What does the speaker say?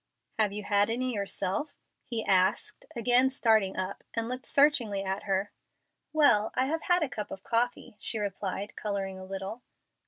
"Have you had any yourself?" he asked, again starting up, and looking searchingly at her. "Well, I have had a cup of coffee," she replied, coloring a little.